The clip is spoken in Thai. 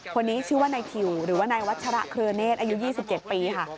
คนนี้ชื่อว่านายคิวหรือว่านายวัชระเครือเนศอายุ๒๗ปีค่ะ